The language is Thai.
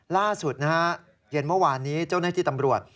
ล่าสุดนะฮะเย็นเมื่อวานนี้เจ้าหน้าที่ตำรวจ